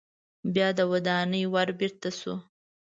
بیا د ودانۍ ور بیرته شو.